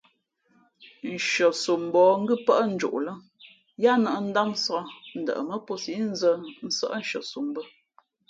Hʉαsom mbα̌h ngʉ́ pάʼ njoʼ lά yáá nᾱp ndámsāk, ndαʼmά pō síʼ nzᾱ nsάʼ nshʉαsom bᾱ.